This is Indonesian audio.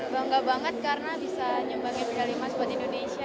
bangga banget karena bisa nyumbangin medali emas buat indonesia